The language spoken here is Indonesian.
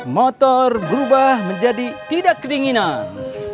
motor berubah menjadi tidak kedinginan